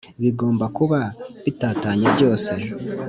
Bigomba kuba bitatanye byose